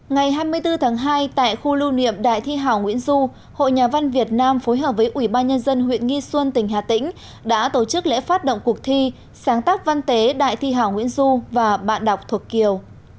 ngày hai mươi bốn tháng hai tại khu lưu niệm đại thi hảo nguyễn du hội nhà văn việt nam phối hợp với ủy ban nhân dân huyện nghi xuân tỉnh hà tĩnh đã tổ chức lễ phát động cuộc thi sáng tác văn tế đại thi hảo nguyễn du và bạn đọc thuộc kiều